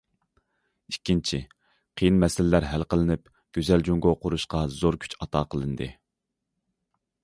ئىككىنچى، قىيىن مەسىلىلەر ھەل قىلىنىپ، گۈزەل جۇڭگو قۇرۇشقا زور كۈچ ئاتا قىلىندى.